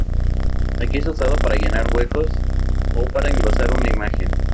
Aquí es usado para llenar huecos o para engrosar una imagen.